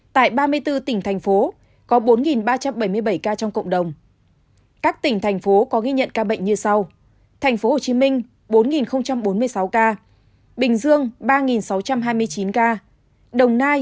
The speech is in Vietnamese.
tại ba mươi bốn tỉnh thành phố có bốn ba trăm bảy mươi bảy ca trong cộng đồng